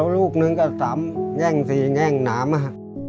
ลูกหนึ่งก็๓๔แย่งน้ำ